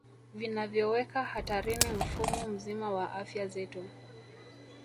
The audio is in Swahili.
Vinavyoweka hatarini mfumo mzima wa afya zetu